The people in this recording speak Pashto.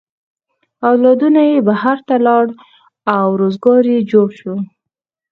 اولادونه یې بهر ته ولاړل او روزگار یې جوړ شو.